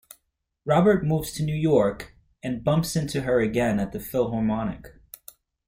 Robert moves to New York and bumps into her again at the Philharmonic.